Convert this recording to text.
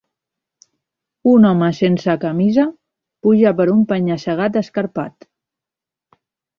Un home sense camisa puja per un penya-segat escarpat.